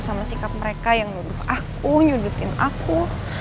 sama sikap mereka yang nuduh aku nyudutin aku